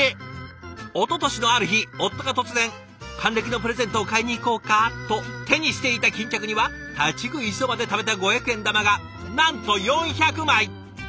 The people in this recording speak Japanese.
おととしのある日夫が突然「還暦のプレゼントを買いに行こうか」と手にしていた巾着には立ち食いそばでためた五百円玉がなんと４００枚！